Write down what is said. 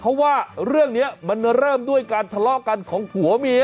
เพราะว่าเรื่องนี้มันเริ่มด้วยการทะเลาะกันของผัวเมีย